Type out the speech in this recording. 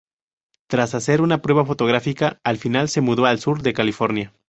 Tras hacer una prueba fotográfica, al final se mudó al sur de California.